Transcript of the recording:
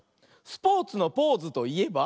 スポーツのポーズといえば？